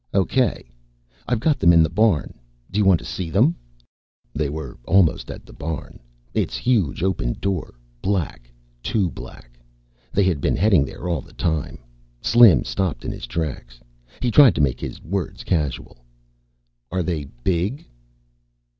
"Okay. I've got them in the barn. Do you want to see them?" They were almost at the barn; its huge open door black. Too black. They had been heading there all the time. Slim stopped in his tracks. He tried to make his words casual. "Are they big?"